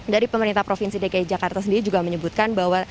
dari pemerintah provinsi dki jakarta sendiri juga menyebutkan bahwa